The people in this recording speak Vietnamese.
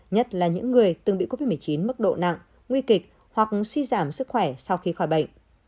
nhất là những người từng bị covid một mươi chín mức độ nặng nguy kịch hoặc suy giảm sức khỏe sau khi khỏi bệnh